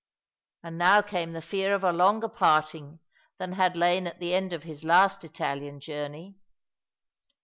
And now came the fear of a longer parting than had lain at the end of his last Italian journey.